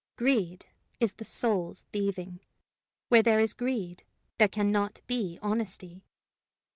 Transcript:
Greed is the soul's thieving; where there is greed, there can not be honesty.